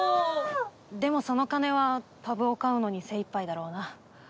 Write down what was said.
でもその金はＴＡＢを買うのに精いっぱいだろうな。